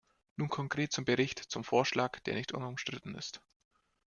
Nun konkret zum Bericht, zum Vorschlag, der nicht unumstritten ist.